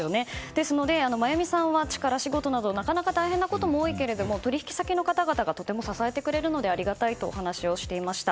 ですので真弓さんは力仕事など大変なことが多いけど取引先の方が支えてくれるのでありがたいとお話をしていました。